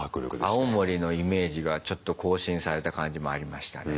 青森のイメージがちょっと更新された感じもありましたね。